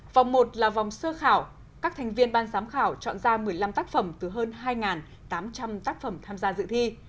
vòng một là vòng sơ khảo các thành viên ban giám khảo chọn ra một mươi năm tác phẩm từ hơn hai tám trăm linh tác phẩm tham gia dự thi